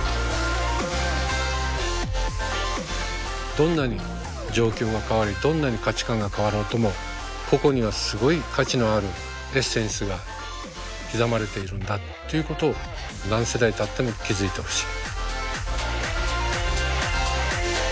どんなに状況が変わりどんなに価値観が変わろうともここにはすごい価値のあるエッセンスが刻まれているんだっていうことを何世代たっても気付いてほしい。